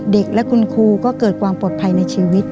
เด็กและคุณครูก็เกิดความปลอดภัยในชีวิต